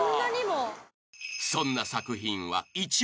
［そんな作品は］